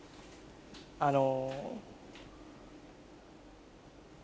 あの。